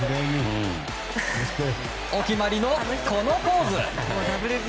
お決まりの、このポーズ。